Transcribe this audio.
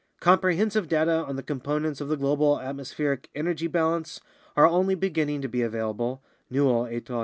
Comprehensive data on the components of the global atmospheric energy balance are only beginning to be available (Newell et al.